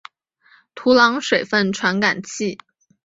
土壤水分传感器。